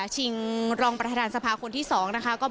ชิงรองประธรานสภาคคลุมแอศกิจสอง